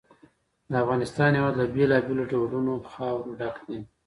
د افغانستان هېواد له بېلابېلو ډولونو خاوره ډک دی.